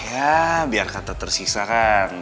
ya biar kata tersisa kan